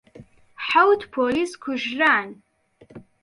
حەوت پۆلیس کوژران.